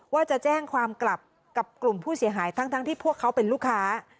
ว่าจะแจ้งความกลับกับกลุ่มผู้เสียหายทั้งที่พวกเขาเป็นลูกค้า